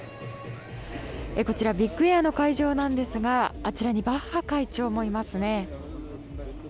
こちらビッグエアの会場ですがあちらにバッハ会長もいますね。